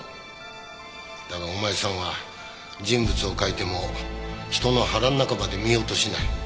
だがお前さんは人物を描いても人の腹の中まで見ようとしない。